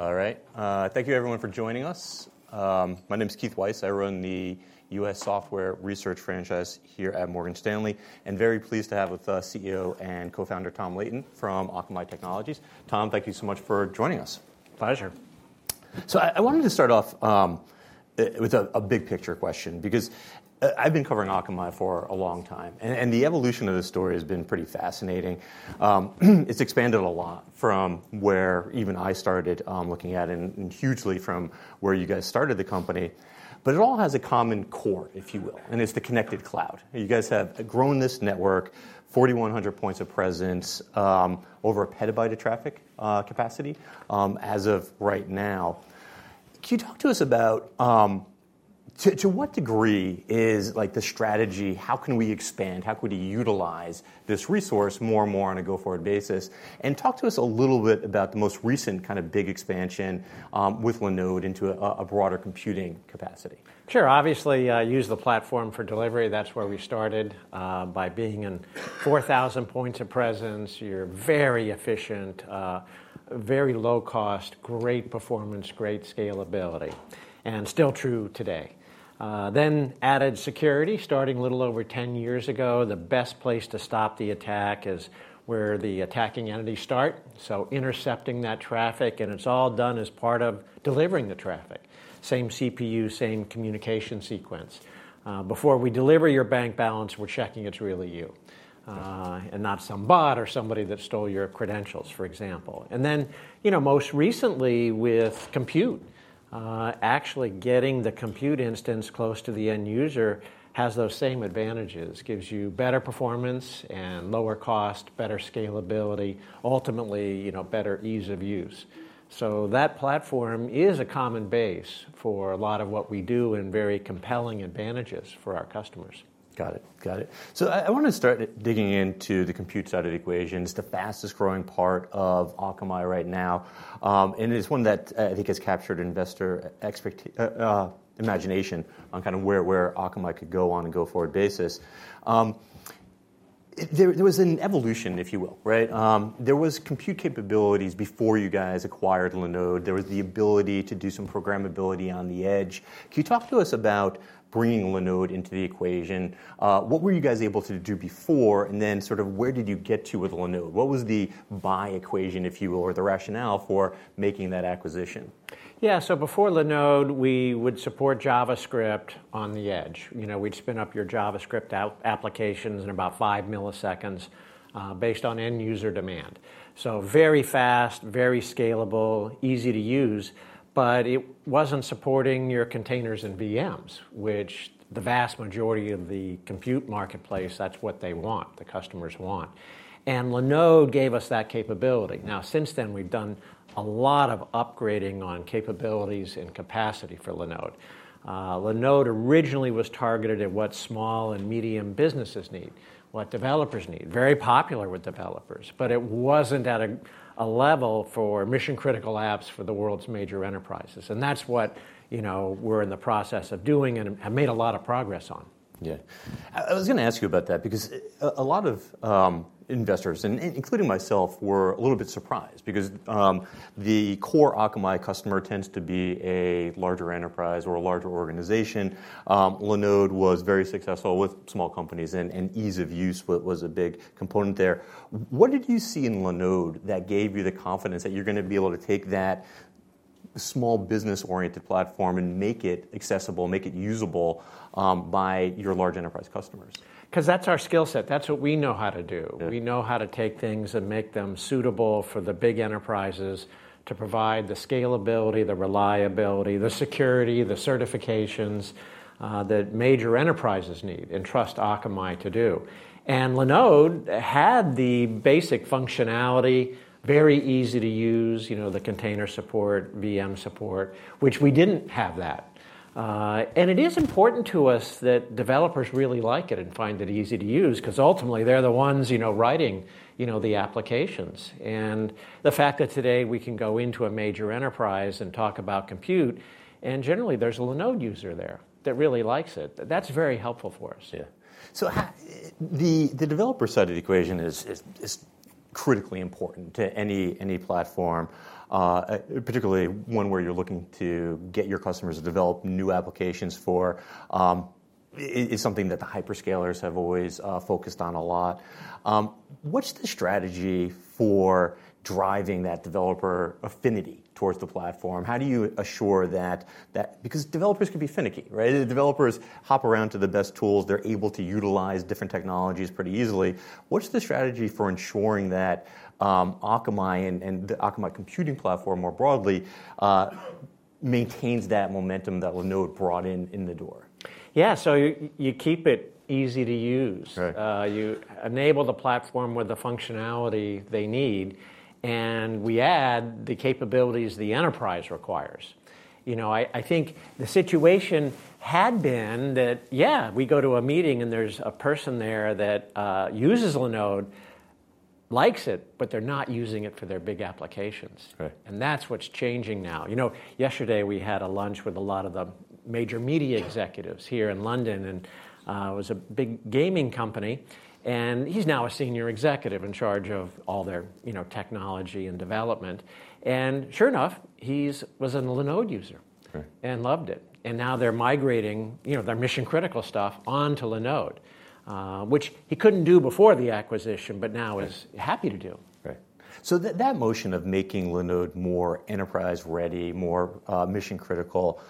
All right. Thank you, everyone, for joining us. My name is Keith Weiss. I run the U.S. software research franchise here at Morgan Stanley, and I'm very pleased to have with us CEO and Co-Founder Tom Leighton from Akamai Technologies. Tom, thank you so much for joining us. Pleasure. So I wanted to start off with a big picture question, because I've been covering Akamai for a long time, and the evolution of the story has been pretty fascinating. It's expanded a lot from where even I started looking at it, and hugely from where you guys started the company. But it all has a common core, if you will, and it's the Connected Cloud. You guys have grown this network, 4,100 points of presence, over a petabyte of traffic capacity as of right now. Can you talk to us about to what degree is the strategy? How can we expand? How can we utilize this resource more and more on a go-forward basis? And talk to us a little bit about the most recent kind of big expansion with Linode into a broader computing capacity. Sure. Obviously, use the platform for delivery. That's where we started by being in 4,000 points of presence. You're very efficient, very low cost, great performance, great scalability, and still true today. Then added security starting a little over 10 years ago. The best place to stop the attack is where the attacking entities start, so intercepting that traffic and it's all done as part of delivering the traffic. Same CPU, same communication sequence. Before we deliver your bank balance, we're checking it's really you, and not some bot or somebody that stole your credentials, for example and then most recently with compute, actually getting the compute instance close to the end user has those same advantages. It gives you better performance and lower cost, better scalability, ultimately better ease of use. That platform is a common base for a lot of what we do and very compelling advantages for our customers. Got it. Got it. So I want to start digging into the Compute side of the equation. It's the fastest growing part of Akamai right now, and it's one that I think has captured investor imagination on kind of where Akamai could go on a go-forward basis. There was an evolution, if you will. There were Compute capabilities before you guys acquired Linode. There was the ability to do some programmability on the edge. Can you talk to us about bringing Linode into the equation? What were you guys able to do before, and then sort of where did you get to with Linode? What was the buy equation, if you will, or the rationale for making that acquisition? Yeah. So before Linode, we would support JavaScript on the edge. We'd spin up your JavaScript applications in about five milliseconds based on end user demand, so very fast, very scalable, easy to use, but it wasn't supporting your containers and VMs, which the vast majority of the compute marketplace, that's what they want, the customers want. And Linode gave us that capability. Now, since then, we've done a lot of upgrading on capabilities and capacity for Linode. Linode originally was targeted at what small and medium businesses need, what developers need, very popular with developers, but it wasn't at a level for mission-critical apps for the world's major enterprises. And that's what we're in the process of doing and have made a lot of progress on. Yeah. I was going to ask you about that, because a lot of investors, including myself, were a little bit surprised, because the core Akamai customer tends to be a larger enterprise or a larger organization. Linode was very successful with small companies, and ease of use was a big component there. What did you see in Linode that gave you the confidence that you're going to be able to take that small business-oriented platform and make it accessible, make it usable by your large enterprise customers? Because that's our skill set. That's what we know how to do. We know how to take things and make them suitable for the big enterprises to provide the scalability, the reliability, the security, the certifications that major enterprises need and trust Akamai to do, and Linode had the basic functionality, very easy to use, the container support, VM support, which we didn't have that, and it is important to us that developers really like it and find it easy to use, because ultimately they're the ones writing the applications, and the fact that today we can go into a major enterprise and talk about Compute, and generally there's a Linode user there that really likes it, that's very helpful for us. Yeah. So the developer side of the equation is critically important to any platform, particularly one where you're looking to get your customers to develop new applications for. It's something that the hyperscalers have always focused on a lot. What's the strategy for driving that developer affinity towards the platform? How do you assure that? Because developers can be finicky. Developers hop around to the best tools. They're able to utilize different technologies pretty easily. What's the strategy for ensuring that Akamai and the Akamai computing platform more broadly maintains that momentum that Linode brought in the door? Yeah, so you keep it easy to use. You enable the platform with the functionality they need, and we add the capabilities the enterprise requires. I think the situation had been that, yeah, we go to a meeting and there's a person there that uses Linode, likes it, but they're not using it for their big applications, and that's what's changing now. Yesterday we had a lunch with a lot of the major media executives here in London, and it was a big gaming company, and he's now a senior executive in charge of all their technology and development, and sure enough, he was a Linode user and loved it, and now they're migrating their mission-critical stuff onto Linode, which he couldn't do before the acquisition, but now is happy to do. Right. So that motion of making Linode more enterprise-ready, more mission-critical,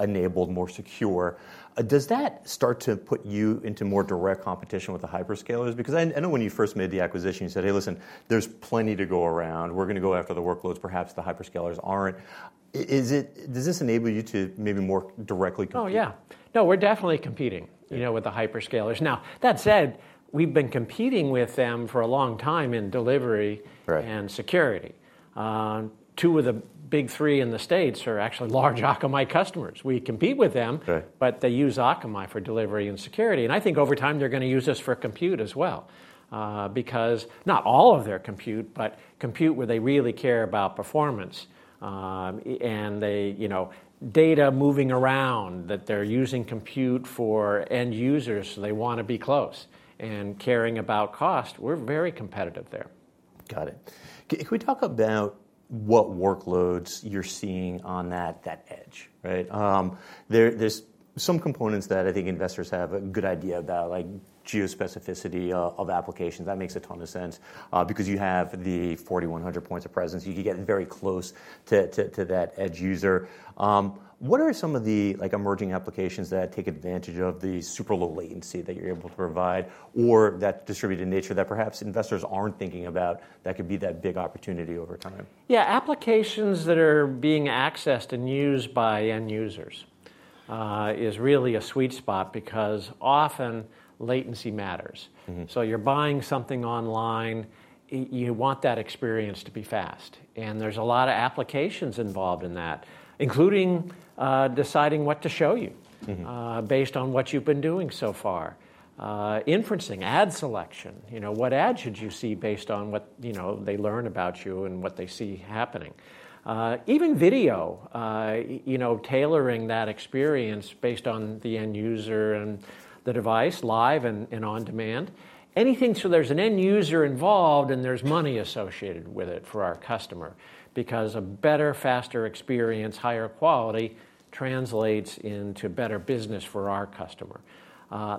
enabled, more secure, does that start to put you into more direct competition with the hyperscalers? Because I know when you first made the acquisition, you said, hey, listen, there's plenty to go around. We're going to go after the workloads. Perhaps the hyperscalers aren't. Does this enable you to maybe more directly compete? Oh, yeah. No, we're definitely competing with the hyperscalers. Now, that said, we've been competing with them for a long time in delivery and security. Two of the big three in the States are actually large Akamai customers. We compete with them, but they use Akamai for delivery and security. And I think over time they're going to use us for Compute as well, because not all of their Compute, but Compute where they really care about performance and data moving around that they're using Compute for end users so they want to be close and caring about cost. We're very competitive there. Got it. Can we talk about what workloads you're seeing on that edge? There's some components that I think investors have a good idea about, like geo-specificity of applications. That makes a ton of sense, because you have the 4,100 points of presence. You can get very close to that edge user. What are some of the emerging applications that take advantage of the super low latency that you're able to provide or that distributed nature that perhaps investors aren't thinking about that could be that big opportunity over time? Yeah. Applications that are being accessed and used by end users is really a sweet spot, because often latency matters. So you're buying something online. You want that experience to be fast. And there's a lot of applications involved in that, including deciding what to show you based on what you've been doing so far, inferencing, ad selection. What ad should you see based on what they learn about you and what they see happening? Even video, tailoring that experience based on the end user and the device live and on demand. Anything so there's an end user involved and there's money associated with it for our customer, because a better, faster experience, higher quality translates into better business for our customer.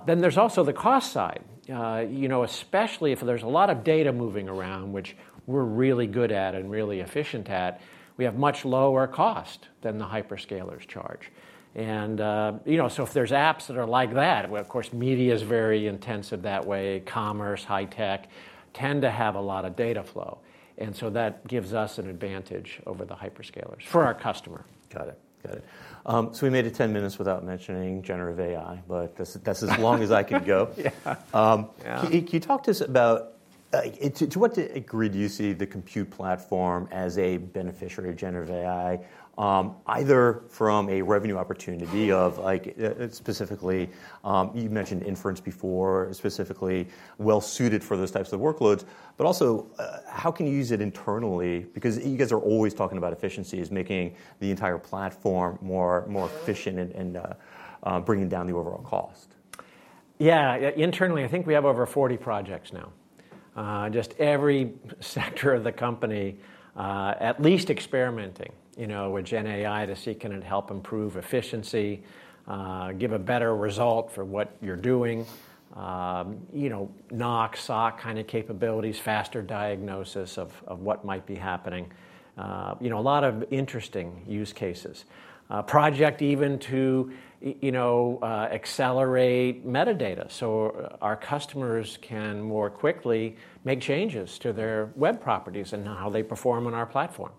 Then there's also the cost side, especially if there's a lot of data moving around, which we're really good at and really efficient at. We have much lower cost than the hyperscalers charge. So if there's apps that are like that, of course, media is very intensive that way. Commerce, high tech tend to have a lot of data flow. So that gives us an advantage over the hyperscalers for our customer. Got it. Got it. So we made it 10 minutes without mentioning generative AI, but that's as long as I can go. Can you talk to us about to what degree do you see the Compute platform as a beneficiary of generative AI, either from a revenue opportunity of specifically you mentioned inference before, specifically well-suited for those types of workloads, but also how can you use it internally? Because you guys are always talking about efficiencies, making the entire platform more efficient and bringing down the overall cost. Yeah. Internally, I think we have over 40 projects now, just every sector of the company at least experimenting with GenAI to see can it help improve efficiency, give a better result for what you're doing, NOC, SOC kind of capabilities, faster diagnosis of what might be happening, a lot of interesting use cases, projects even to accelerate metadata so our customers can more quickly make changes to their web properties and how they perform on our platform.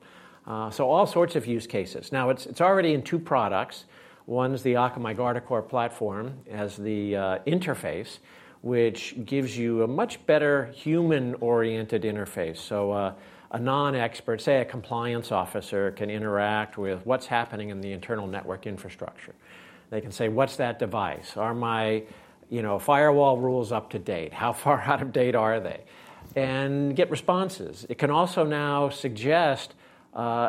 So all sorts of use cases. Now, it's already in two products. One's the Akamai Guardicore Platform as the interface, which gives you a much better human-oriented interface. So a non-expert, say a compliance officer, can interact with what's happening in the internal network infrastructure. They can say, what's that device? Are my firewall rules up to date? How far out of date are they? And get responses. It can also now suggest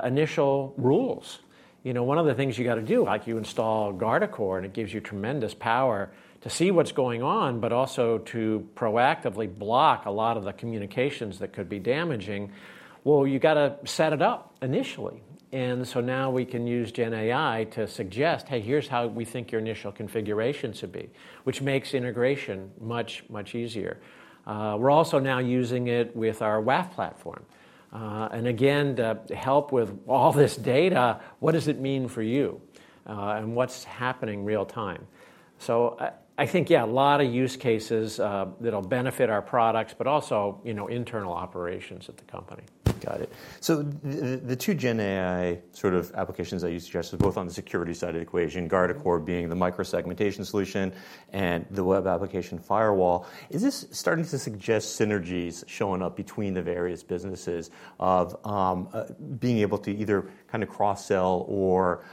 initial rules. One of the things you've got to do, like you install Guardicore, and it gives you tremendous power to see what's going on, but also to proactively block a lot of the communications that could be damaging. You've got to set it up initially. So now we can use GenAI to suggest, hey, here's how we think your initial configuration should be, which makes integration much, much easier. We're also now using it with our WAF platform. Again, to help with all this data, what does it mean for you and what's happening real time? I think, yeah, a lot of use cases that'll benefit our products, but also internal operations at the company. Got it. So the two GenAI sort of applications that you suggested both on the security side of the equation, Guardicore being the microsegmentation solution and the web application firewall, is this starting to suggest synergies showing up between the various businesses of being able to either kind of cross-sell or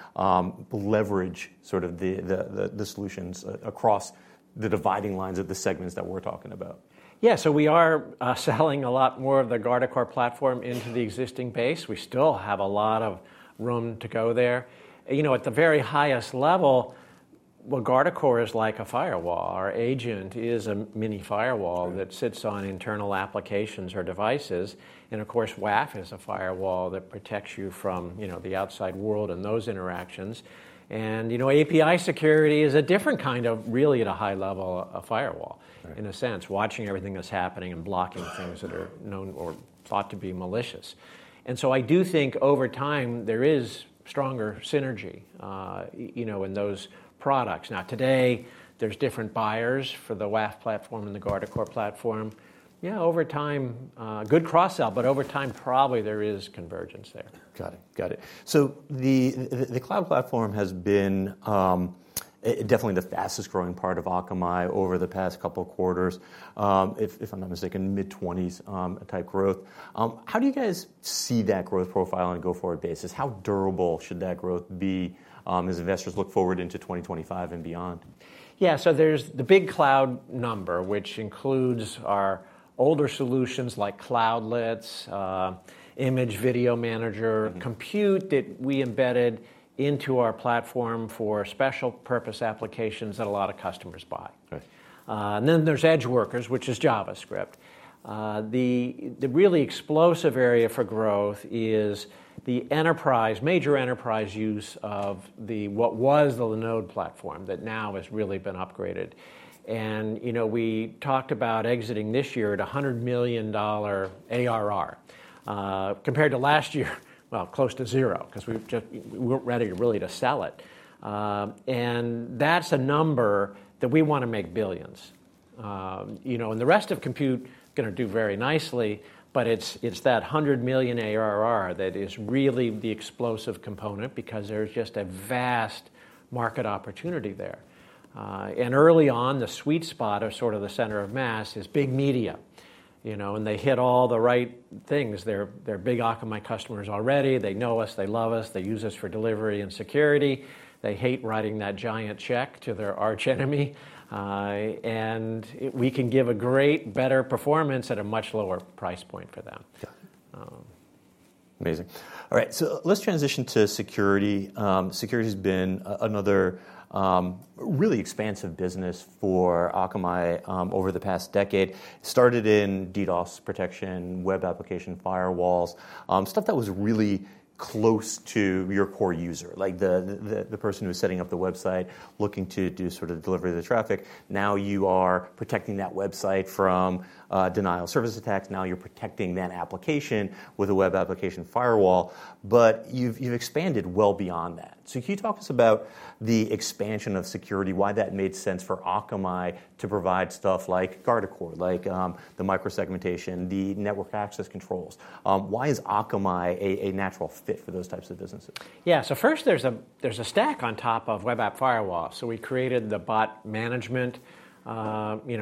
leverage sort of the solutions across the dividing lines of the segments that we're talking about? Yeah. So we are selling a lot more of the Guardicore Platform into the existing base. We still have a lot of room to go there. At the very highest level, well, Guardicore is like a firewall. Our agent is a mini firewall that sits on internal applications or devices. And of course, WAF is a firewall that protects you from the outside world and those interactions. And API security is a different kind of, really at a high level, a firewall in a sense, watching everything that's happening and blocking things that are known or thought to be malicious. And so I do think over time there is stronger synergy in those products. Now, today there's different buyers for the WAF platform and the Guardicore Platform. Yeah, over time, good cross-sell, but over time probably there is convergence there. Got it. Got it. So the cloud platform has been definitely the fastest growing part of Akamai over the past couple of quarters, if I'm not mistaken, mid-20s type growth. How do you guys see that growth profile on a go forward basis? How durable should that growth be as investors look forward into 2025 and beyond? Yeah. So there's the big cloud number, which includes our older solutions like Cloudlets, Image & Video Manager, Compute that we embedded into our platform for special purpose applications that a lot of customers buy. And then there's EdgeWorkers, which is JavaScript. The really explosive area for growth is the enterprise, major enterprise use of what was the Linode platform that now has really been upgraded. And we talked about exiting this year at $100 million ARR compared to last year, well, close to zero, because we weren't ready really to sell it. And that's a number that we want to make billions. And the rest of Compute is going to do very nicely, but it's that $100 million ARR that is really the explosive component, because there's just a vast market opportunity there. And early on, the sweet spot of sort of the center of mass is big media. They hit all the right things. They're big Akamai customers already. They know us. They love us. They use us for delivery and security. They hate writing that giant check to their arch enemy. And we can give a great, better performance at a much lower price point for them. Amazing. All right. So let's transition to security. Security has been another really expansive business for Akamai over the past decade. Started in DDoS protection, web application firewalls, stuff that was really close to your core user, like the person who was setting up the website, looking to do sort of delivery of the traffic. Now you are protecting that website from denial of service attacks. Now you're protecting that application with a web application firewall. But you've expanded well beyond that. So can you talk to us about the expansion of security, why that made sense for Akamai to provide stuff like Guardicore, like the microsegmentation, the network access controls? Why is Akamai a natural fit for those types of businesses? Yeah. So first there's a stack on top of web app firewall. So we created the bot management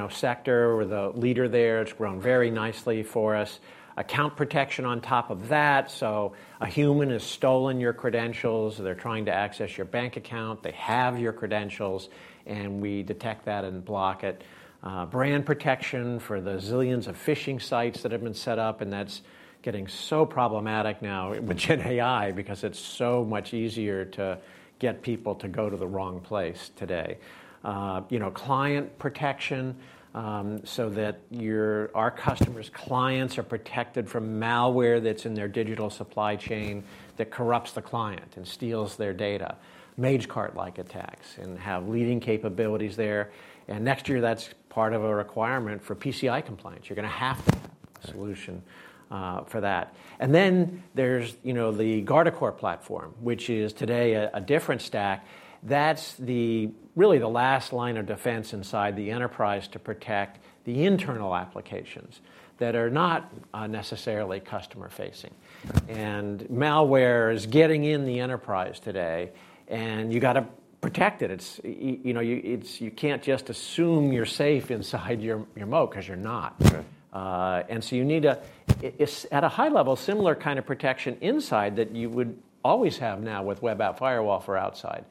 sector. We're the leader there. It's grown very nicely for us. Account protection on top of that. So a human has stolen your credentials. They're trying to access your bank account. They have your credentials. And we detect that and block it. Brand protection for the zillions of phishing sites that have been set up. And that's getting so problematic now with GenAI, because it's so much easier to get people to go to the wrong place today. Client protection so that our customers' clients are protected from malware that's in their digital supply chain that corrupts the client and steals their data. Magecart-like attacks and have leading capabilities there. And next year that's part of a requirement for PCI compliance. You're going to have to have a solution for that. And then there's the Guardicore Platform, which is today a different stack. That's really the last line of defense inside the enterprise to protect the internal applications that are not necessarily customer-facing. And malware is getting in the enterprise today. And you've got to protect it. You can't just assume you're safe inside your moat because you're not. And so you need to, at a high level, similar kind of protection inside that you would always have now with web app firewall for outside.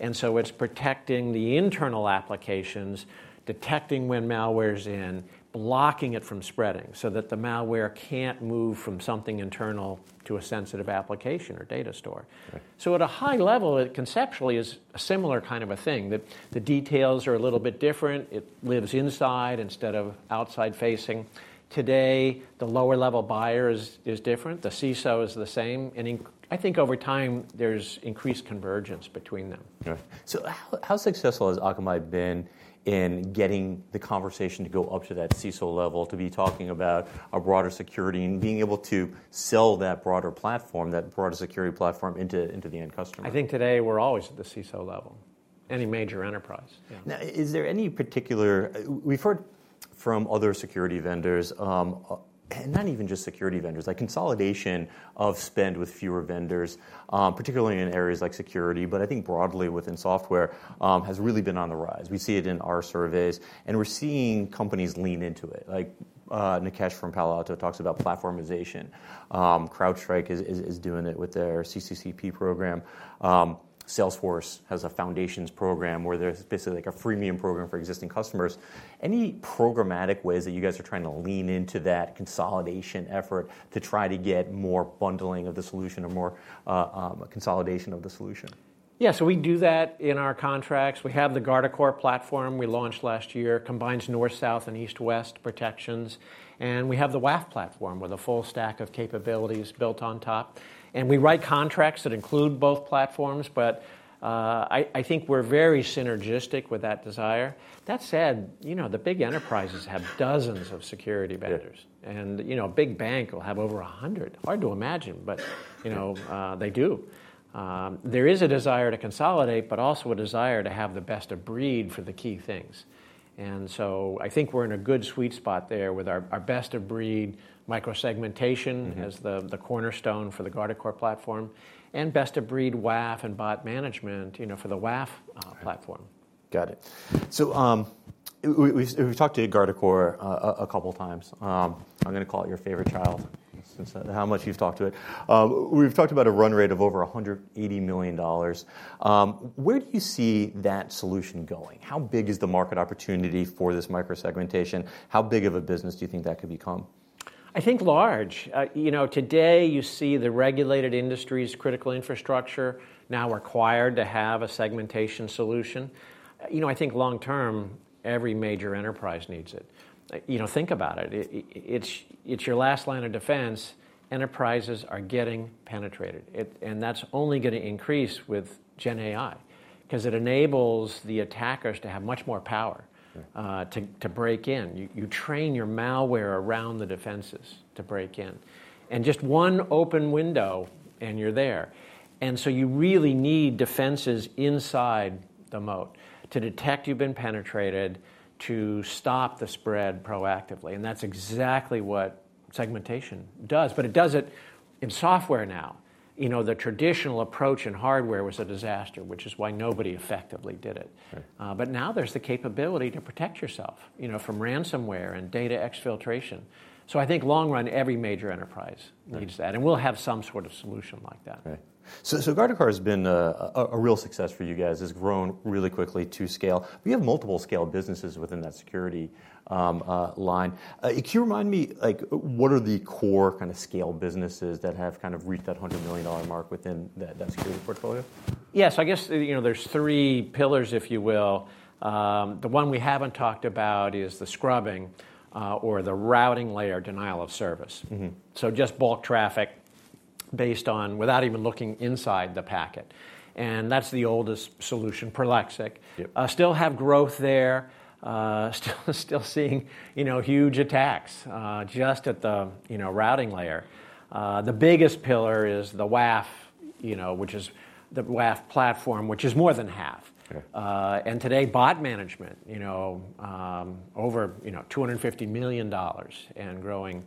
And so it's protecting the internal applications, detecting when malware's in, blocking it from spreading so that the malware can't move from something internal to a sensitive application or data store. So at a high level, it conceptually is a similar kind of a thing. The details are a little bit different. It lives inside instead of outside facing. Today, the lower level buyer is different. The CISO is the same. And I think over time there's increased convergence between them. So how successful has Akamai been in getting the conversation to go up to that CISO level to be talking about a broader security and being able to sell that broader platform, that broader security platform into the end customer? I think today we're always at the CISO level, any major enterprise. Now, is there any particular we've heard from other security vendors, and not even just security vendors, like consolidation of spend with fewer vendors, particularly in areas like security, but I think broadly within software, has really been on the rise. We see it in our surveys, and we're seeing companies lean into it. Like Nikesh from Palo Alto talks about platformization. CrowdStrike is doing it with their CCCP program. Salesforce has a Foundations program where there's basically like a freemium program for existing customers. Any programmatic ways that you guys are trying to lean into that consolidation effort to try to get more bundling of the solution or more consolidation of the solution? Yeah. So we do that in our contracts. We have the Guardicore Platform we launched last year, combines North-South and East-West protections. And we have the WAF platform with a full stack of capabilities built on top. And we write contracts that include both platforms. But I think we're very synergistic with that desire. That said, the big enterprises have dozens of security vendors. And a big bank will have over 100. Hard to imagine, but they do. There is a desire to consolidate, but also a desire to have the best of breed for the key things. And so I think we're in a good sweet spot there with our best of breed microsegmentation as the cornerstone for the Guardicore Platform and best of breed WAF and bot management for the WAF platform. Got it. So we've talked to Guardicore a couple of times. I'm going to call it your favorite child since how much you've talked to it. We've talked about a run rate of over $180 million. Where do you see that solution going? How big is the market opportunity for this microsegmentation? How big of a business do you think that could become? I think large. Today you see the regulated industry's critical infrastructure now required to have a segmentation solution. I think long term every major enterprise needs it. Think about it. It's your last line of defense. Enterprises are getting penetrated, and that's only going to increase with GenAI, because it enables the attackers to have much more power to break in. You train your malware around the defenses to break in, and just one open window and you're there, and so you really need defenses inside the moat to detect you've been penetrated, to stop the spread proactively, and that's exactly what segmentation does, but it does it in software now. The traditional approach in hardware was a disaster, which is why nobody effectively did it, but now there's the capability to protect yourself from ransomware and data exfiltration, so I think long run every major enterprise needs that. We'll have some sort of solution like that. Guardicore has been a real success for you guys, has grown really quickly to scale. You have multiple scale businesses within that security line. Can you remind me what are the core kind of scale businesses that have kind of reached that $100 million mark within that security portfolio? Yeah. So I guess there's three pillars, if you will. The one we haven't talked about is the scrubbing or the routing layer denial of service. So just bulk traffic based on without even looking inside the packet. And that's the oldest solution, Prolexic. Still have growth there, still seeing huge attacks just at the routing layer. The biggest pillar is the WAF, which is the WAF platform, which is more than half. And today bot management over $250 million and growing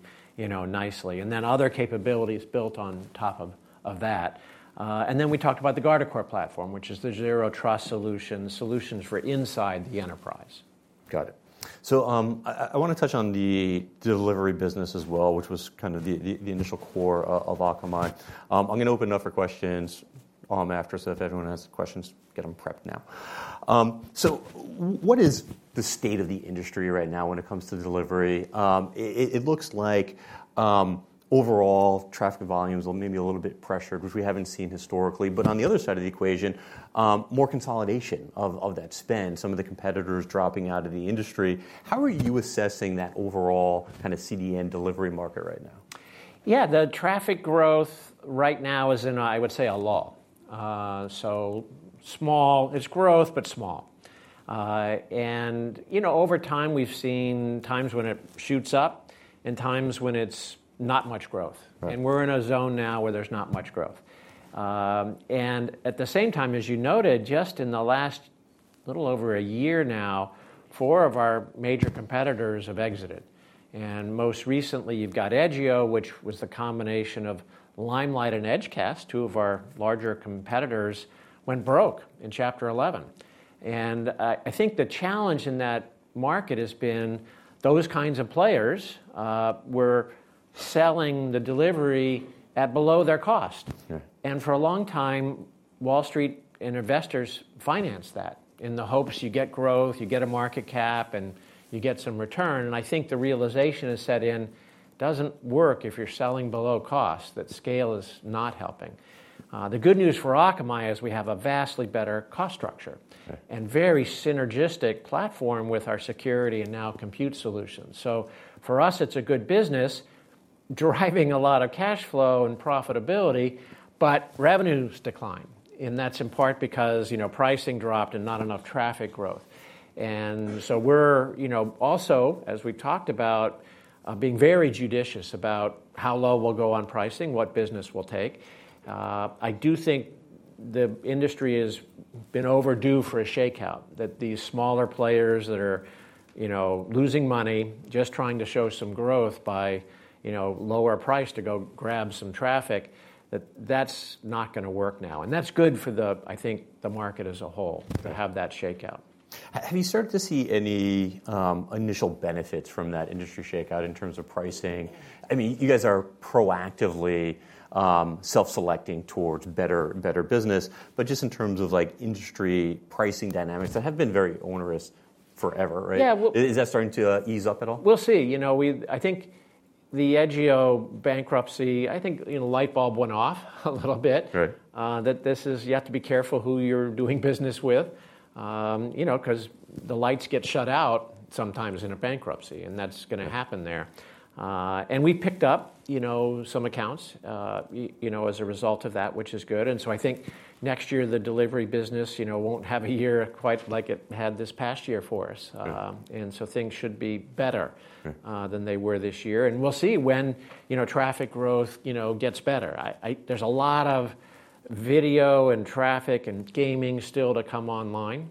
nicely. And then other capabilities built on top of that. And then we talked about the Guardicore Platform, which is the Zero Trust solutions, solutions for inside the enterprise. Got it. So I want to touch on the delivery business as well, which was kind of the initial core of Akamai. I'm going to open it up for questions after. So if everyone has questions, get them prepped now. So what is the state of the industry right now when it comes to delivery? It looks like overall traffic volumes are maybe a little bit pressured, which we haven't seen historically. But on the other side of the equation, more consolidation of that spend, some of the competitors dropping out of the industry. How are you assessing that overall kind of CDN delivery market right now? Yeah. The traffic growth right now is in, I would say, a lull. So small, it's growth, but small, and over time we've seen times when it shoots up and times when it's not much growth, and we're in a zone now where there's not much growth. And at the same time, as you noted, just in the last little over a year now, four of our major competitors have exited. And most recently you've got Edgio, which was the combination of Limelight and EdgeCast, two of our larger competitors, went broke in Chapter 11. And I think the challenge in that market has been those kinds of players were selling the delivery at below their cost. And for a long time, Wall Street and investors financed that in the hopes you get growth, you get a market cap, and you get some return. And I think the realization has set in. Doesn't work if you're selling below cost, that scale is not helping. The good news for Akamai is we have a vastly better cost structure and very synergistic platform with our security and now Compute solutions. So for us, it's a good business driving a lot of cash flow and profitability, but revenues decline. And that's in part because pricing dropped and not enough traffic growth. And so we're also, as we've talked about, being very judicious about how low we'll go on pricing, what business we'll take. I do think the industry has been overdue for a shakeout, that these smaller players that are losing money just trying to show some growth by lower price to go grab some traffic, that that's not going to work now. And that's good for, I think, the market as a whole to have that shakeout. Have you started to see any initial benefits from that industry shakeout in terms of pricing? I mean, you guys are proactively self-selecting towards better business. But just in terms of industry pricing dynamics, that had been very onerous forever. Is that starting to ease up at all? We'll see. I think the Edgio bankruptcy, I think light bulb went off a little bit, that this is you have to be careful who you're doing business with, because the lights get shut out sometimes in a bankruptcy. And that's going to happen there. And we picked up some accounts as a result of that, which is good. And so I think next year the delivery business won't have a year quite like it had this past year for us. And so things should be better than they were this year. And we'll see when traffic growth gets better. There's a lot of video and traffic and gaming still to come online.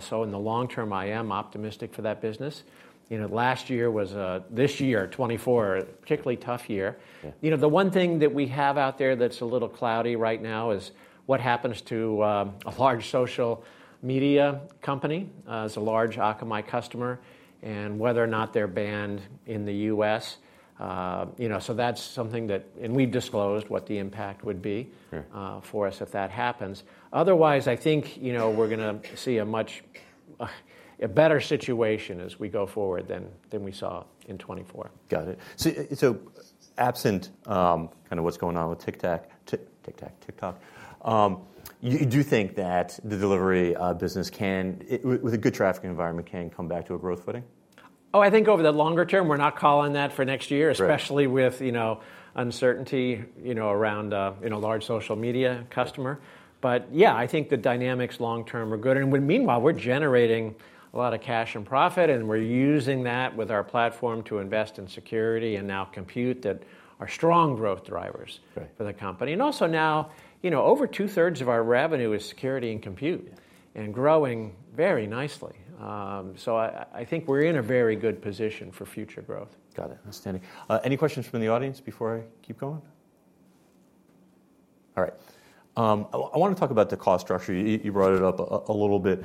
So in the long term, I am optimistic for that business. Last year was a this year, 2024, a particularly tough year. The one thing that we have out there that's a little cloudy right now is what happens to a large social media company as a large Akamai customer and whether or not they're banned in the U.S. So that's something that we've disclosed what the impact would be for us if that happens. Otherwise, I think we're going to see a much better situation as we go forward than we saw in 2024. Got it. So absent kind of what's going on with TikTok, you do think that the delivery business can, with a good traffic environment, can come back to a growth footing? Oh, I think over the longer term, we're not calling that for next year, especially with uncertainty around a large social media customer. But yeah, I think the dynamics long term are good. And meanwhile, we're generating a lot of cash and profit. And we're using that with our platform to invest in security and now Compute that are strong growth drivers for the company. And also now over two-thirds of our revenue is security and Compute and growing very nicely. So I think we're in a very good position for future growth. Got it. Understanding. Any questions from the audience before I keep going? All right. I want to talk about the cost structure. You brought it up a little bit.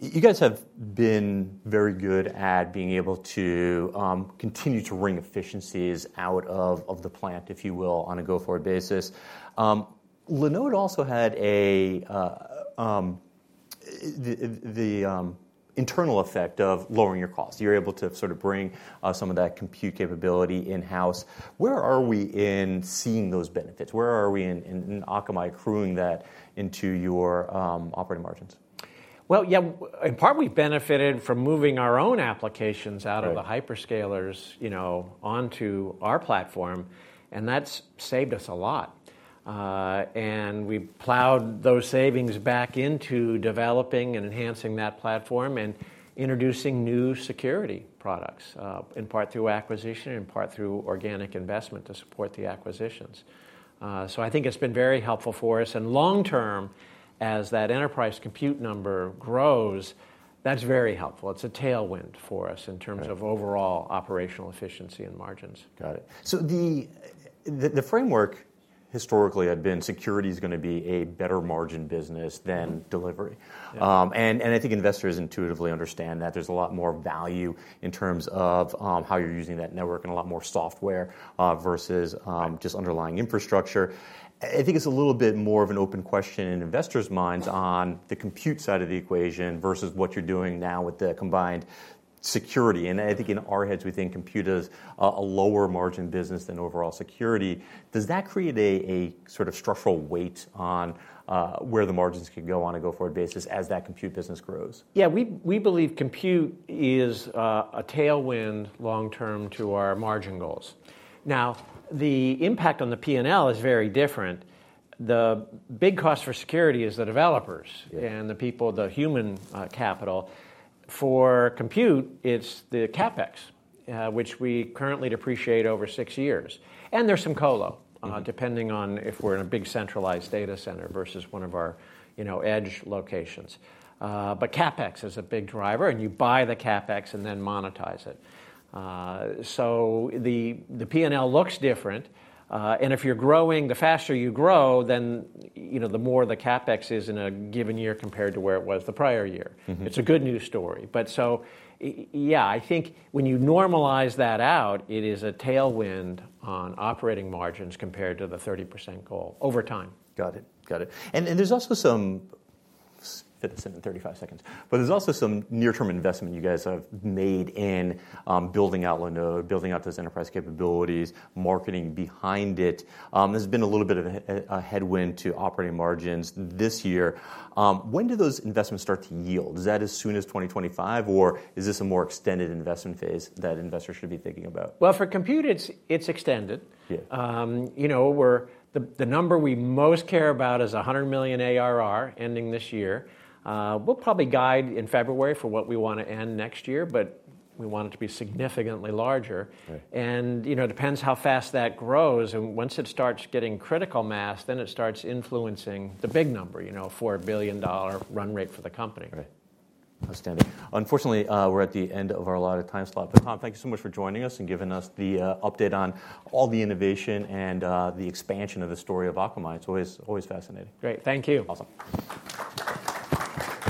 You guys have been very good at being able to continue to wring efficiencies out of the plant, if you will, on a go-forward basis. Linode also had the internal effect of lowering your cost. You're able to sort of bring some of that Compute capability in-house. Where are we in seeing those benefits? Where are we in Akamai accruing that into your operating margins? Yeah, in part we benefited from moving our own applications out of the hyperscalers onto our platform. That's saved us a lot. We plowed those savings back into developing and enhancing that platform and introducing new security products, in part through acquisition, in part through organic investment to support the acquisitions. I think it's been very helpful for us. Long term, as that enterprise Compute number grows, that's very helpful. It's a tailwind for us in terms of overall operational efficiency and margins. Got it. So the framework historically had been security is going to be a better margin business than delivery. And I think investors intuitively understand that. There's a lot more value in terms of how you're using that network and a lot more software versus just underlying infrastructure. I think it's a little bit more of an open question in investors' minds on the Compute side of the equation versus what you're doing now with the combined security. And I think in our heads, we think Compute is a lower margin business than overall security. Does that create a sort of structural weight on where the margins can go on a go-forward basis as that Compute business grows? Yeah. We believe Compute is a tailwind long term to our margin goals. Now, the impact on the P&L is very different. The big cost for security is the developers and the people, the human capital. For Compute, it's the CapEx, which we currently depreciate over six years. And there's some colo depending on if we're in a big centralized data center versus one of our edge locations. But CapEx is a big driver. And you buy the CapEx and then monetize it. So the P&L looks different. And if you're growing, the faster you grow, then the more the CapEx is in a given year compared to where it was the prior year. It's a good news story. But so yeah, I think when you normalize that out, it is a tailwind on operating margins compared to the 30% goal over time. Got it. Got it. But there's also some near-term investment you guys have made in building out Linode, building out those enterprise capabilities, marketing behind it. There's been a little bit of a headwind to operating margins this year. When do those investments start to yield? Is that as soon as 2025? Or is this a more extended investment phase that investors should be thinking about? For Compute, it's extended. The number we most care about is 100 million ARR ending this year. We'll probably guide in February for what we want to end next year. But we want it to be significantly larger. And it depends how fast that grows. And once it starts getting critical mass, then it starts influencing the big number, a $4 billion run rate for the company. Understood. Unfortunately, we're at the end of our allotted time slot, but Tom, thank you so much for joining us and giving us the update on all the innovation and the expansion of the story of Akamai. It's always fascinating. Great. Thank you. Awesome.